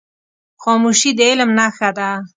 خاموشي، د علم نښه ده.